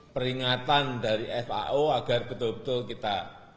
peringatan dari fao agar betul betul kita